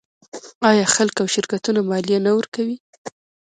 آیا خلک او شرکتونه مالیه نه ورکوي؟